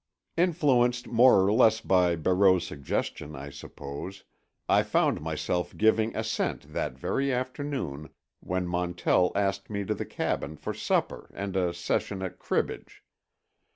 Influenced more or less by Barreau's suggestion, I suppose, I found myself giving assent that very afternoon when Montell asked me to the cabin for supper and a session at cribbage.